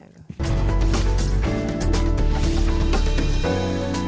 ini kan luar biasa